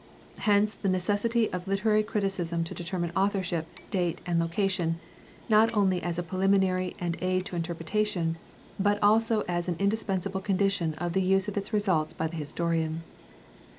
Hence the necessity of hterary criti cism to determine authorship, date, and location, not only as a preliminary and aid to interpretation, but also as an indis pensable condition of the use of its results by the historian.